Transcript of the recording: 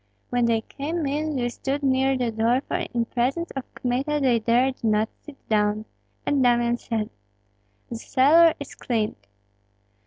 When they came in they stood near the door, for in presence of Kmita they dared not sit down; and Damian said, "The cellar is cleared."